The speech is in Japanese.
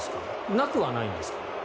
なくはないんですか？